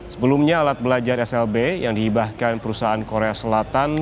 sebelumnya alat belajar slb yang dihibahkan perusahaan korea selatan